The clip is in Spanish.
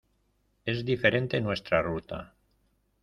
es diferente nuestra ruta.